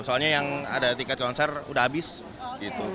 soalnya yang ada tiket konser udah habis gitu